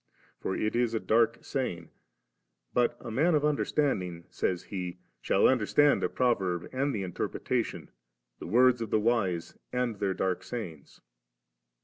for it is a daik saying7 ; but * a man of understanding,' says he, * shsdl understand a proverb and the inter pretation, the words of the wise and their daik sayings*.'